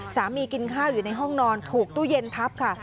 กินข้าวอยู่ในห้องนอนถูกตู้เย็นทับค่ะ